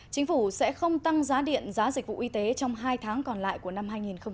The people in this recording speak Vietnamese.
chính phủ sẽ không tăng giá điện giá dịch vụ y tế trong hai tháng còn lại của năm hai nghìn hai mươi